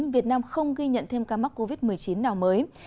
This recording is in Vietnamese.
việt nam không ghi nhận thêm ca mắc covid một mươi chín nào mới